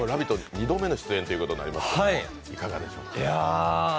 ２度目の出演となりますけどいかがでしょうか？